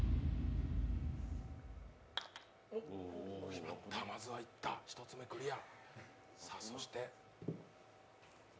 決まった、まずはいった、１つ目クリア。